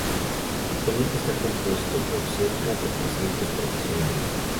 Actualmente está compuesto por cerca de trescientos profesionales.